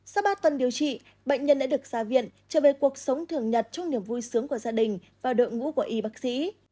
sau ba tuần điều trị bệnh nhân đã được ra viện trở về cuộc sống thường nhật trong niềm vui sướng của gia đình và đội ngũ của y bác sĩ